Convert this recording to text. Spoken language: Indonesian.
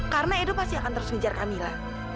karena edo pasti akan terus mengejar kamila